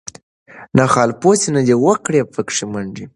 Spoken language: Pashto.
نه خالپوڅي نه دي وکړې پکښی منډي